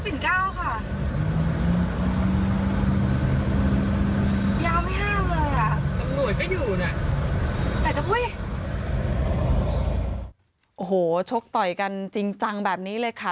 โอ้โหชกต่อยกันจริงจังแบบนี้เลยค่ะ